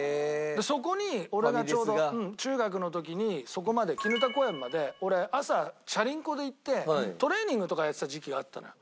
そこに俺がちょうど中学の時にそこまで砧公園まで俺朝チャリンコで行ってトレーニングとかやってた時期があったのよ。